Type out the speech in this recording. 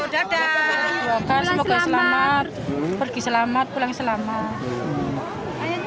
doakan semoga selamat pergi selamat pulang selamat